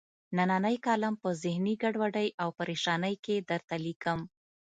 نننۍ کالم په ذهني ګډوډۍ او پریشانۍ کې درته لیکم.